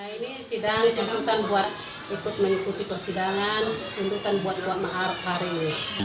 ini sidang tuntutan buat ikut mengikuti persidangan tuntutan buat godmaruf hari ini